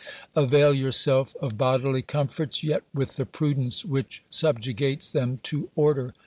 Avail your self of bodily comforts, yet with the prudence which sub jugates them to order.